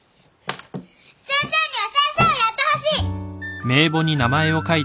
先生には先生をやってほしい！